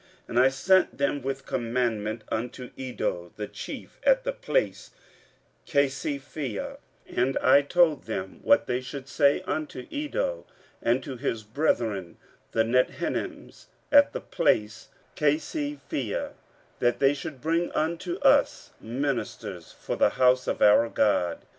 15:008:017 And I sent them with commandment unto Iddo the chief at the place Casiphia, and I told them what they should say unto Iddo, and to his brethren the Nethinims, at the place Casiphia, that they should bring unto us ministers for the house of our God.